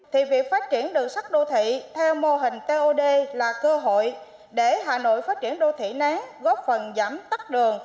thì việc phát triển đường sắt đô thị theo mô hình tod là cơ hội để hà nội phát triển đô thị nén góp phần giảm tắt đường